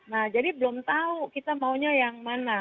nah jadi belum tahu kita maunya yang mana